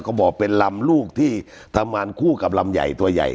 เขาบอกเป็นลำลูกที่ทำงานคู่กับลำใหญ่ตัวใหญ่